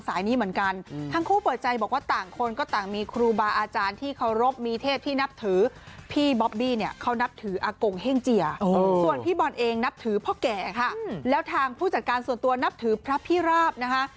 ส่วนพี่บอลเองนับถือพ่อแก่ค่ะแล้วทางผู้จัดการส่วนตัวนับถือพระพิราบนะคะ